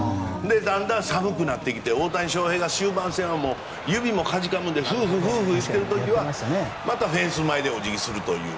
だんだん、寒くなってきて大谷翔平が終盤戦は指もかじかむのでフーフー言ってる時はフェンス前でお辞儀をするという。